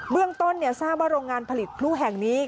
เรื่องต้นทราบว่าโรงงานผลิตพลุแห่งนี้